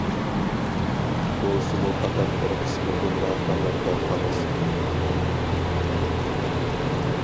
بولسىمۇ پەقەت بىر قىسمىدىنلا خەۋەردار خالاس.